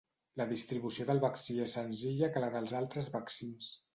La distribució del vaccí és senzilla que la dels altres vaccins.